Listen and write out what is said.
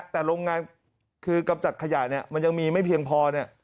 แต่โรงงานคือกำจัดขยะเนี่ยมันยังมีไม่เพียงพอเนี่ย